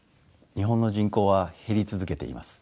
日本の人口は減り続けています。